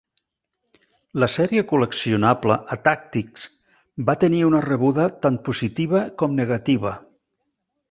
La sèrie col·leccionable Attacktix va tenir una rebuda tant positiva com negativa.